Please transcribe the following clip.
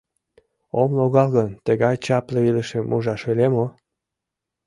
Ом логал гын, тыгай чапле илышым ужам ыле мо?